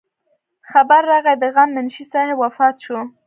خبر راغے د غم منشي صاحب وفات شو